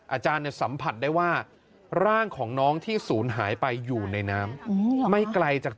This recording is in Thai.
อาจารย์เนี่ยสัมผัสได้ว่าร่างของน้องที่ศูนย์หายไปอยู่ในน้ำ